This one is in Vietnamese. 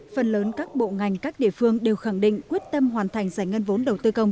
phần lớn các bộ ngành các địa phương đều khẳng định quyết tâm hoàn thành giải ngân vốn đầu tư công